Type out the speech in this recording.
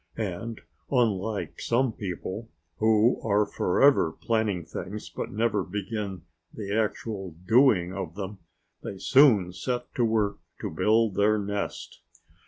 And unlike some people, who are forever planning things but never begin the actual doing of them, they soon set to work to build their nest.